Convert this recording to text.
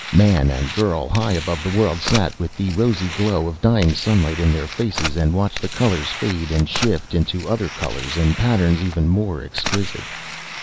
Man and girl, high above the world, sat with the rosy glow of dying sunlight in their faces and watched the colors fade and shift into other colors and patterns even more exquisite.